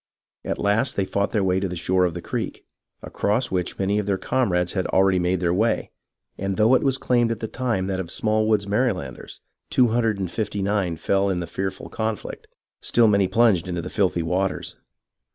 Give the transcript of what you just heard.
At last they fought their way to the shore of the creek, across which many of their comrades had already made their way, and though it was claimed at the time that of Smallwood's Marylanders two hundred and fifty nine fell in the fearful conflict, still many plunged into the filthy waters.